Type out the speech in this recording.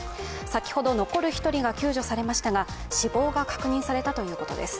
先ほど残る１人が救助されましたが死亡が確認されたということです。